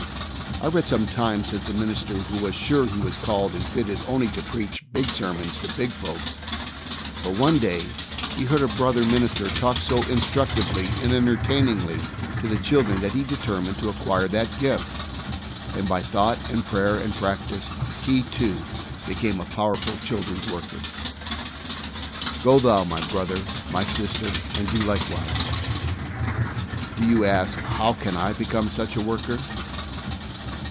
I read some time since of a minister who was sure he was called and fitted only to preach big sermons to big folks, but one day he heard a brother minister talk so instruct 146 THE soul winner's secret. ively and entertainingly to the children that he determined to acquire that gift, and by thought and prayer and practice he, too, be came a powerful children's worker. Go thou, my brother, my sister, and do likewise. Do you ask, "How can I become such a worker?"